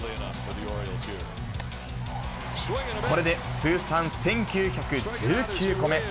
これで通算１９１９個目。